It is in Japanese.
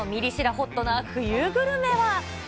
ホットな冬グルメは。